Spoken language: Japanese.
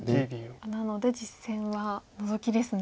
なので実戦はノゾキですね。